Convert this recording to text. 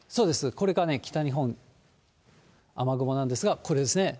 これが北日本、雨雲なんですが、これですね。